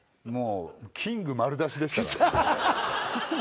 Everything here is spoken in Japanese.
もうキング丸出しでしたから。